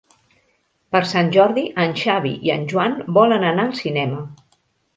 Per Sant Jordi en Xavi i en Joan volen anar al cinema.